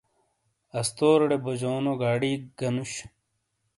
استوریڑے بوجونو گاڑی گہ نوش۔